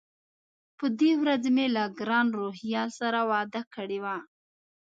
په دې ورځ مې له ګران روهیال سره وعده کړې وه.